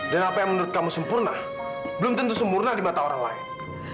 dan apa yang menurut kamu sempurna belum tentu sempurna di mata orang lain